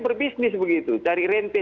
berbisnis begitu cari rente